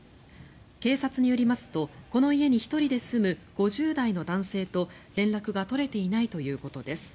警察によりますとこの家に１人で住む５０代の男性と連絡が取れていないということです。